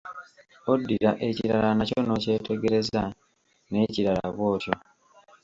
Oddira ekirala nakyo n'okyetegereza; n'ekirala bw'otyo.